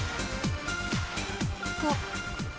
あっ。